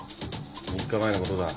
３日前のことだ。